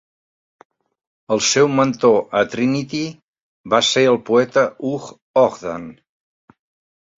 El seu mentor a Trinity va ser el poeta Hugh Ogden.